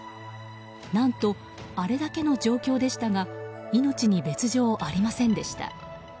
何と、あれだけの状況でしたが命に別条ありませんでした。